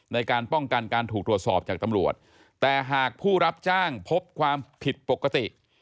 ในการป้องกันการถูกตรวจสอบจากตำรวจแต่หากผู้รับจ้างพบความผิดปกติ